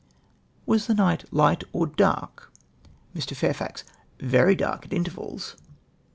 " M''as the night light or dark ?" Mr. Fairfax. —" Very dark at intervals.''